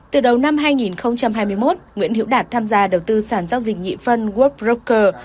từ đầu năm hai nghìn hai mươi một nguyễn hiểu đạt tham gia đầu tư sản giác dịch nhị phân world broker